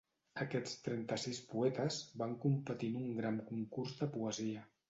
Aquests trenta-sis poetes van competir en un gran concurs de poesia.